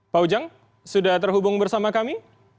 pak ujang sudah terhubung bersama kami